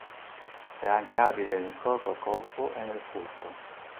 È anche abile nel corpo a corpo e nel furto.